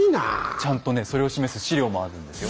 ちゃんとねそれを示す史料もあるんですよ。